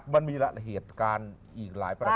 มันมีเหตุการณ์อีกหลายประห